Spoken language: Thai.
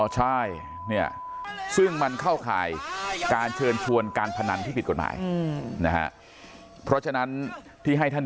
อ๋อใช่เนี่ยซึ่งมันเข้าข่ายการเชิญชวนการพนันที่ผิดกฎหมายนะฮะ